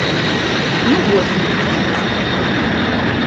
Ну вось, занесла мяне.